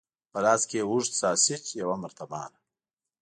په لاس کې یې یو اوږد ساسیج، یوه مرتبانه.